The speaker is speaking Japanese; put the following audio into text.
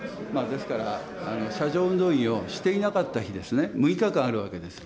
ですから、車上運動員をしていなかった日ですね、６日間あるわけです。